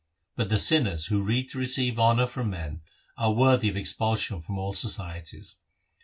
But the sinners who read to receive honour from men, are worthy of expulsion from all societies.